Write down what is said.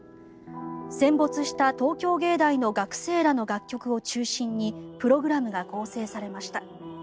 戦没した東京芸大の学生らの楽曲を中心にプログラムが構成されました。